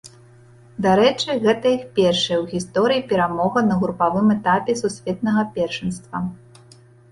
Дарэчы, гэта іх першая ў гісторыі перамога на групавым этапе сусветнага першынства.